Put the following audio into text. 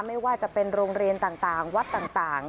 ไม่ว่าจะเป็นโรงเรียนต่างวัดต่าง